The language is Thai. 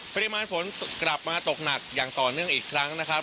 ปริมาณฝนกลับมาตกหนักอย่างต่อเนื่องอีกครั้งนะครับ